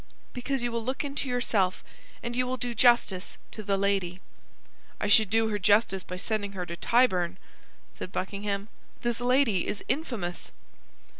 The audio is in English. "Because you will look into yourself, and you will do justice to the lady." "I should do her justice by sending her to Tyburn," said Buckingham. "This lady is infamous."